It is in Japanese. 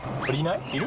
いる？